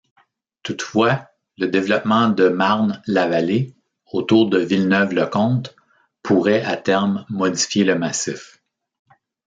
Toutefois, le développement de Marne-la-Vallée autour de Villeneuve-le-Comte pourrait à terme modifier le massif.